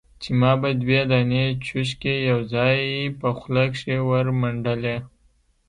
چې ما به دوې دانې چوشکې يوځايي په خوله کښې ورمنډلې.